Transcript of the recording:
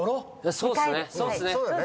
そうっすね！